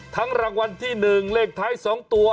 ทั้งรางวัลที่หนึ่งเลขท้ายสองตัว